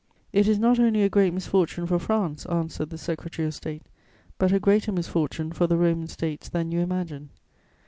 "'It is not only a great misfortune for France,' answered the Secretary of State, 'but a greater misfortune for the Roman States than you imagine.